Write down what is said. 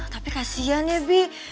tapi kasihan ya bi